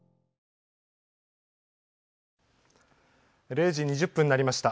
０時２０分になりました。